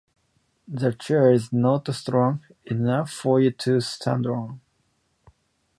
That chair is not strong enough for you to stand on.